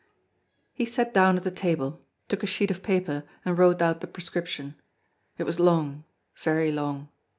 He sat down at the table, took a sheet of paper, and wrote out the prescription. It was long, very long.